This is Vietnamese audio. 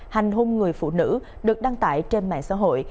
hành hung người phụ nữ được đăng tải trên mạng xã hội